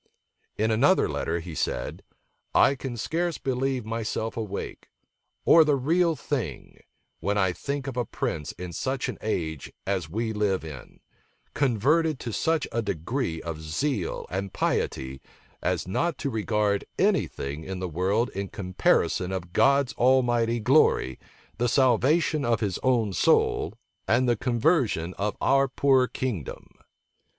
In another letter he said, "I can scarce believe myself awake, or the thing real, when I think of a prince in such an age as we live in, converted to such a degree of zeal and piety, as not to regard any thing in the world in comparison of God Almighty's glory, the salvation of his own soul, and the conversion of our poor kingdom."